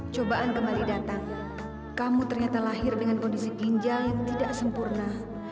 cobaan kembali datang kamu ternyata lahir dengan kondisi ginjal yang tidak sempurna